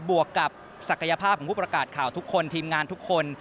วกกับศักยภาพของผู้ประกาศข่าวทุกคนทีมงานทุกคน